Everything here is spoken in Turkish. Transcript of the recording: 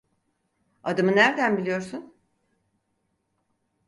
Adımı nerden biliyorsun?